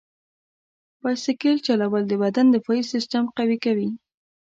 بایسکل چلول د بدن دفاعي سیستم قوي کوي.